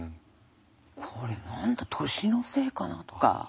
これ何だ年のせいかなとか。